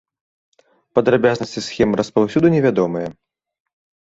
Падрабязнасці схемы распаўсюду невядомыя.